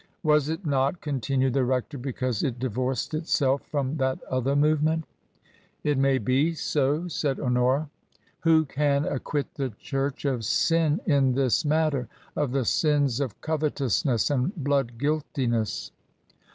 "Was it not," continued the rector, "because it di vorced itself from that other movement ?"" It may be so," said Honora. "Who can acquit the church of sin in this matter? of the sins of covetousness and blood guiltiness